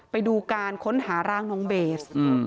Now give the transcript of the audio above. ไปดูการค้นหาร่างน้องเบส